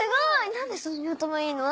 何でそんなに頭いいの？